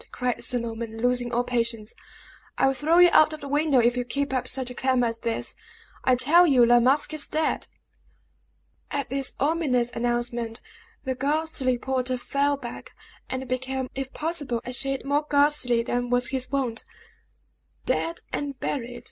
cried Sir Norman, losing all patience, "I will throw you out of the window if you keep up such a clamor as this. I tell you La Masque is dead!" At this ominous announcement, the ghastly porter fell back, and became, if possible, a shade more ghastly than was his wont. "Dead and buried!"